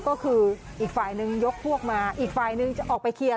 ก็คืออีกฝ่ายนึงยกพวกมาอีกฝ่ายนึงจะออกไปเคลียร์